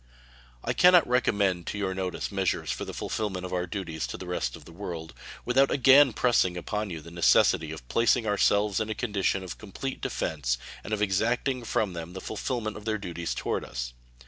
I can not recommend to your notice measures for the fulfillment of our duties to the rest of the world without again pressing upon you the necessity of placing ourselves in a condition of complete defense and of exacting from them the fulfillment of their duties toward us.